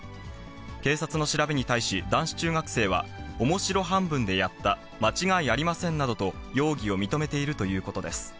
警察の調べに対し、男子中学生は、おもしろ半分でやった、間違いありませんなどと容疑を認めているということです。